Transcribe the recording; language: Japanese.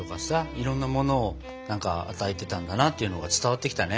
いろんなものを与えてたんだなっていうのが伝わってきたね。